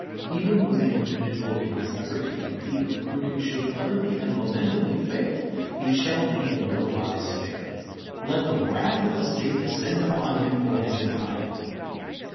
Even though the individual in his effort to impede recruiting should utterly and lamentably fail, he shall be in no wise spared. Let the wrath of the State descend upon him for his impiety!